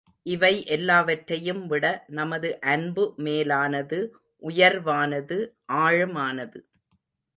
இவை எல்லாவற்றையும் விட நமது அன்பு மேலானது உயர்வானது ஆழமானது.